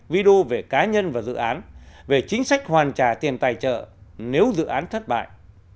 video về cá nhân và dự án về chính sách hoàn trả tiền tài trợ nếu dự án thất bại